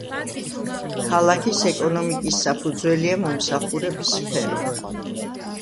ქალაქის ეკონომიკის საფუძველია მომსახურების სფერო.